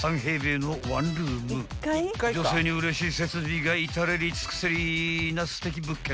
［女性にうれしい設備が至れり尽くせりなすてき物件］